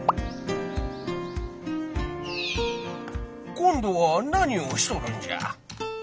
今度は何をしとるんじゃ？